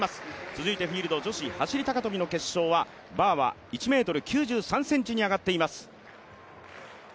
続いて女子走高跳の決勝はバーは１ｍ９３ｃｍに上がっています。